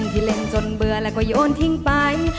ที่เล่นจนเบื่อแล้วก็โยนทิ้งไป